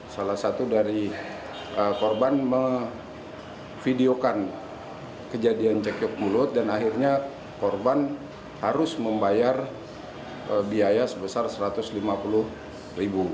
salah satu dari korban mevideokan kejadian cekcok mulut dan akhirnya korban harus membayar biaya sebesar rp satu ratus lima puluh ribu